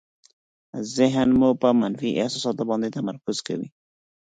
ذهن مو په منفي احساساتو باندې تمرکز کوي.